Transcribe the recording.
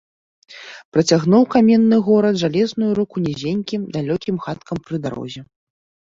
Працягнуў каменны горад жалезную руку нізенькім, далёкім хаткам пры дарозе.